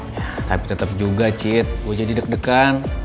ya tapi tetep juga cid gue jadi deg degan